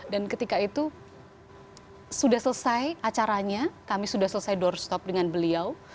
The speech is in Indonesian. dan ketika itu sudah selesai acaranya kami sudah selesai doorstop dengan beliau